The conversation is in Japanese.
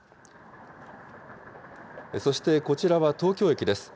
そしてこちらは東京駅です。